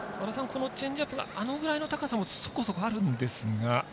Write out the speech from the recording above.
このチェンジアップがあのくらいの高さもそこそこあるんですが。